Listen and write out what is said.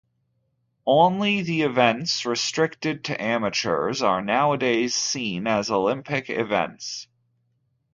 Only the events restricted to amateurs are nowadays seen as Olympic events.